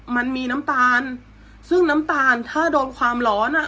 มันมีน้ำตาลซึ่งน้ำตาลถ้าโดนความร้อนอ่ะ